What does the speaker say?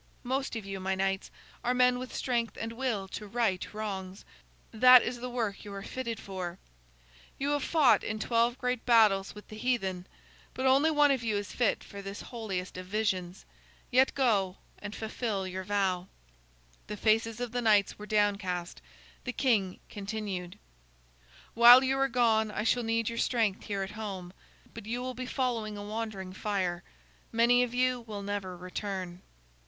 Most of you, my knights, are men with strength and will to right wrongs; that is the work you are fitted for. You have fought in twelve great battles with the heathen, but only one of you is fit for this holiest of visions. Yet go, and fulfill your vow." The faces of the knights were downcast. The king continued: "While you are gone, I shall need your strength here at home, but you will be following a wandering fire. Many of you will never return."